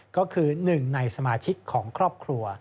ก็คือหนึ่งในสมาชิกของครอบครัว